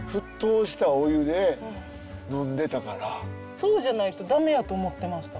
そうじゃないと駄目やと思ってました。